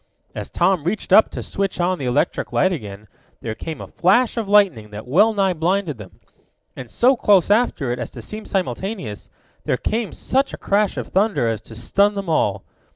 As Tom reached up to switch on the electric light again, there came a flash of lightning that well nigh blinded them. And so close after it as to seem simultaneous, there came such a crash of thunder as to stun them all.